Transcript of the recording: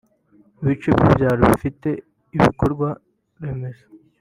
ibice by’ibyaro bifite ibikorwa remezo